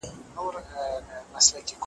پرون یې بیا له هغه ښاره جنازې وایستې `